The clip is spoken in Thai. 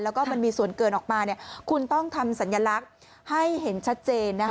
แล้วก็มันมีส่วนเกินออกมาคุณต้องทำสัญลักษณ์ให้เห็นชัดเจน